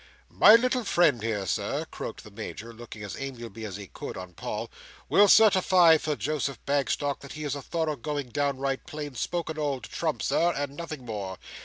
"My little friend here, Sir," croaked the Major, looking as amiably as he could, on Paul, "will certify for Joseph Bagstock that he is a thorough going, down right, plain spoken, old Trump, Sir, and nothing more.